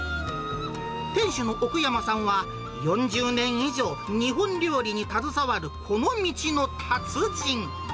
店主の奥山さんは、４０年以上、日本料理に携わるこの道の達人。